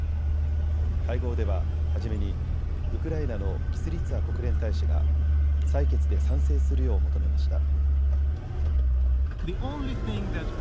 会合では初めにウクライナのキスリツァ国連大使が採決で賛成するよう求めました。